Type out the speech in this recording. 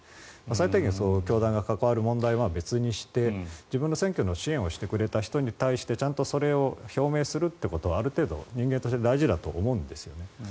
最低限、教団が関わる問題は別にして自分の選挙を支援してくれた人に対してちゃんとそれを表明するということはある程度、人間として大事だと思うんですよね。